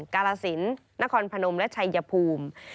กาลสินนครพนมและชัยภูมิ